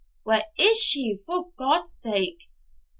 'Where is she, for God's sake?'